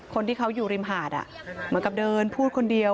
คนที่เขาอยู่ริมหาดเหมือนกับเดินพูดคนเดียว